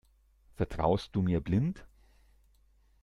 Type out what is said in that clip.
Vertraust du mir blind?